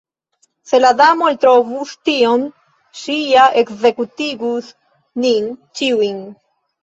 Se la Damo eltrovus tion, ŝi ja ekzekutigus nin ĉiujn.